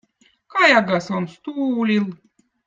kajagõz on stuulil